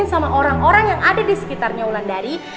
sama orang orang yang ada di sekitarnya ulan dari